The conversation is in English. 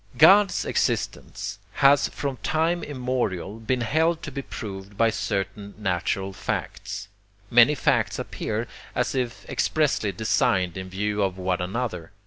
God's existence has from time immemorial been held to be proved by certain natural facts. Many facts appear as if expressly designed in view of one another.